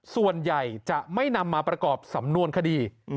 ส่วนใหญ่จะไม่นำมาประกอบสำนวนคดี